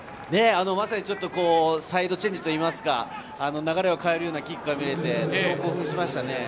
まさにサイドチェンジといいますか、流れを変えるようなキックが見れて興奮しましたね。